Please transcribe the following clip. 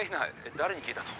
誰に聞いたの？